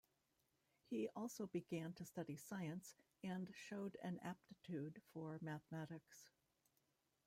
He also began to study science and showed an aptitude for mathematics.